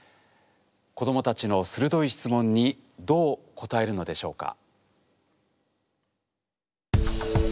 子どもたちの鋭い質問にどう答えるのでしょうか？